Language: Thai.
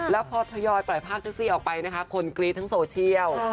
แล้วพอทยอยปล่อยภาพเซ็กซี่ออกไปนะคะคนกรี๊ดทั้งโซเชียล